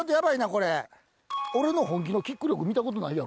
俺の本気のキック力見たことないやろ。